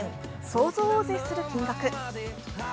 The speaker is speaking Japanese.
想像を絶する金額。